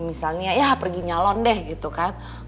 misalnya ya pergi nyalon deh gitu kan